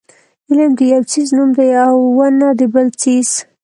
علم د یو څیز نوم دی او ونه د بل څیز.